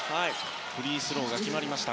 フリースローが決まりました。